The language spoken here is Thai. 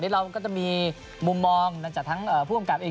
ใช่ขออนุญาตให้คนในชาติรักกันนะครับขออนุญาตให้คนในชาติรักกัน